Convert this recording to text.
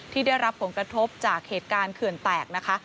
ที่ได้รับผลกระทบจากเหตุการณ์เขื่อนแตกนะคะ